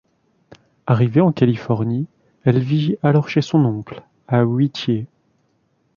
Arrivée en Californie, elle vit alors chez son oncle à Whittier.